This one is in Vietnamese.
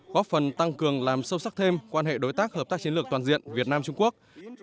góp phần tăng cường làm sâu sắc thêm quan hệ đối tác hợp tác chiến lược toàn diện việt nam trung quốc